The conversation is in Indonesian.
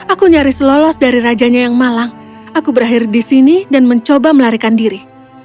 aku nyaris lolos dari rajanya yang malang aku berakhir di sini dan mencoba melarikan diri